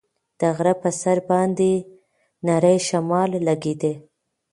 د غره په سر باندې نری شمال لګېده.